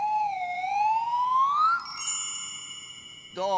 どう？